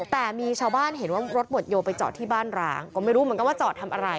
แต่มีชาวบ้านเห็นว่ารถหวดโยไปจอดที่บ้านร้างก็ไม่รู้เหมือนกันว่าจอดทำอะไร